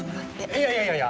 いやいやいやいや！